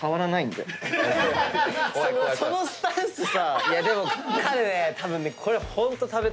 そのスタンスさ。